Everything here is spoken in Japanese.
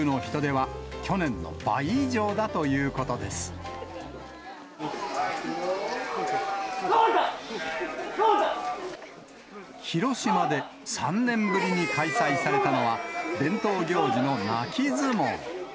はっけよーい、残った、広島で３年ぶりに開催されたのは、伝統行事の泣き相撲。